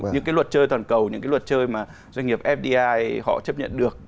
những cái luật chơi toàn cầu những cái luật chơi mà doanh nghiệp fdi họ chấp nhận được